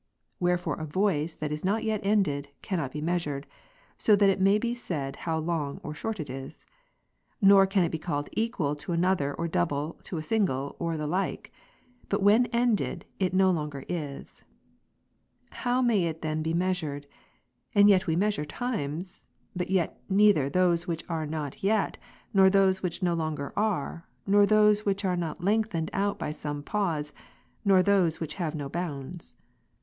Wherefore, a voice that is not yet ended, cannot be measured, so that it may be said how long, or short it is ; nor can it be called equal to another, or double to a single, or the like. But when ended, it no longer is. How may it then be measured ? And yet we measure times ; but yet neither those which are not yet, nor those which no longer are, nor those which are not lengthened out by some pause, nor those which have no bounds.